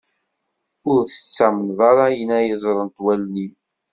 Ur tettamneḍ ara ayen ara ẓrent wallen-im.